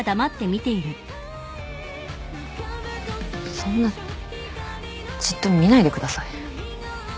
そんなじっと見ないでください。